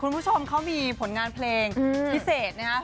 คุณผู้ชมเขามีผลงานเพลงพิเศษนะครับ